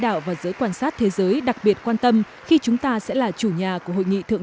đạo và giới quan sát thế giới đặc biệt quan tâm khi chúng ta sẽ là chủ nhà của hội nghị thượng